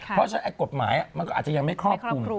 เพราะฉะนั้นกฎหมายมันก็อาจจะยังไม่ครอบคลุม